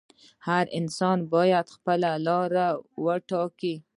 هر انسان باید خپله لاره وټاکي.